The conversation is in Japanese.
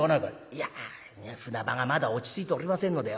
「いや船場がまだ落ち着いておりませんので」。